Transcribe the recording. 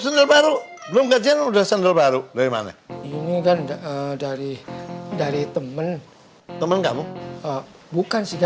enggak kan sendal baru dari temen temen kamu bukan